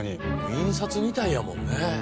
印刷みたいやもんね。